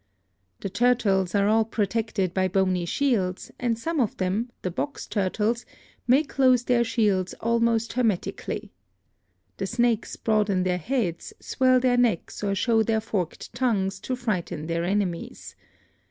The turtles are all protected by bony shields, and some of them, the box turtles, may close their shields almost 270 BIOLOGY hermetically. The snakes broaden their heads, swell their necks or show their forked tongues to frighten their ene mies.